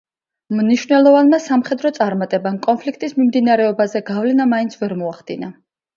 მნიშვნელოვანმა სამხედრო წარმატებამ კონფლიქტის მიმდინარეობაზე გავლენა მაინც ვერ მოახდინა.